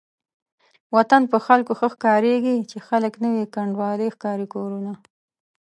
وطن په خلکو ښه ښکاريږي چې خلک نه وي کنډوالې ښکاري کورونه